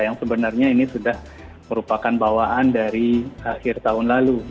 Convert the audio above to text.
yang sebenarnya ini sudah merupakan bawaan dari akhir tahun lalu